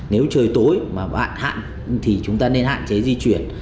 nếu trời tối mà bạn hạn thì chúng ta nên hạn chế di chuyển